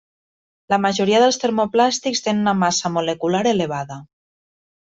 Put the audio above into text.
La majoria dels termoplàstics tenen una massa molecular elevada.